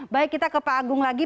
baik kita ke pak agung lagi